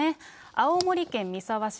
青森県三沢市。